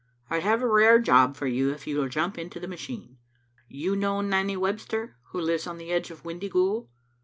I have a rare job for you if you will jump into the machine. You know Nanny Webster, who lives on the edge of Windyghoul?